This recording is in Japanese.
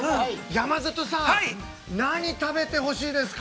山里さん、何食べてほしいですか？